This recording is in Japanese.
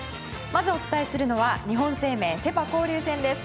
まずお伝えするのは日本生命セ・パ交流戦です。